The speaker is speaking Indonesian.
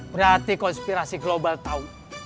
berarti konspirasi global tahu